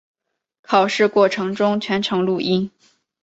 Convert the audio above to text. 考试过程中全程录音。